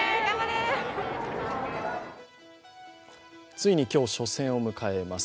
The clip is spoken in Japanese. ついに、今日初戦を迎えます